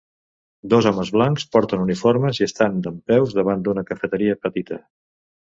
Dos homes blancs porten uniformes i estan dempeus davant d'una cafeteria petita